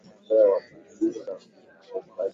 hao ni kusema maana ya ushirikiano na jirani aiheshimu